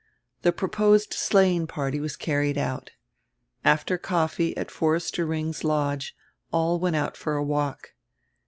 The proposed sleighing party was carried out. After coffee at Forester Ring's lodge all went out for a walk.